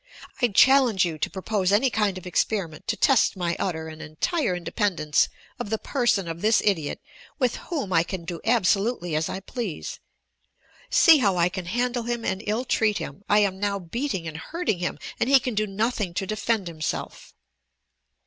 I challenge you to propose any kind of experiment to test my utter and entire independence of the person of this idiot, with whom I can do absolutely as I please. See, how I can handle him and ill treat him. I am now beating and hurting him and he can do nothing to defend himself."